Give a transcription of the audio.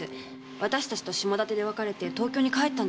私たちと下館で分かれて東京に帰ったんですから。